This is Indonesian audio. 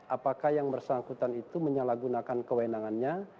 apakah yang bersangkutan itu menyalahgunakan kewenangannya